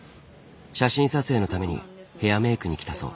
写真撮影のためにヘアメイクに来たそう。